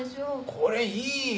これいいよ。